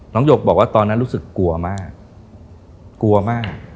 น้องหยกบอกว่าตอนนั้นรู้สึกกลัวมาก